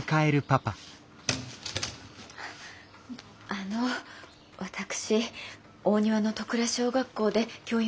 あの私大庭の戸倉小学校で教員をしております